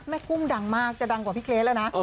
กุ้งดังมากจะดังกว่าพี่เครสแล้วนะ